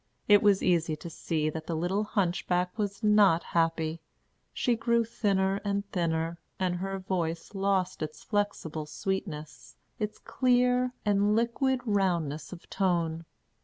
It was easy to see that the little hunchback was not happy. She grew thinner and thinner, and her voice lost its flexible sweetness, its clear and liquid roundness of tone.